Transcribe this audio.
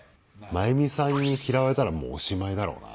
まゆみさんに嫌われたらもうおしまいだろうな。